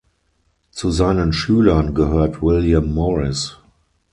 Zu seinen Schülern gehört William Morris.